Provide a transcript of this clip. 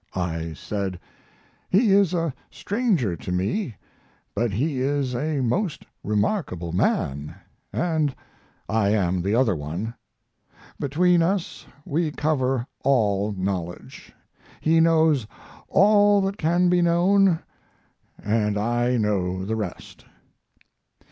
I said: "He is a stranger to me, but he is a most remarkable man and I am the other one. Between us we cover all knowledge; he knows all that can be known, and I know the rest."